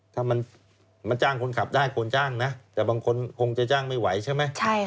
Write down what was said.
ถ้ามันจ้างคนขับได้คนจ้างนะแต่บางคนคงจะจ้างไม่ไหวใช่ไหม